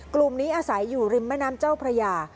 กลุ่มนี้อาศัยอยู่ริมแม่น้ำเจ้าพระยา